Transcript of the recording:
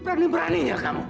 berani berani ya kamu